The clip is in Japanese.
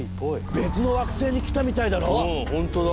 別の惑星に来たみたいだろ？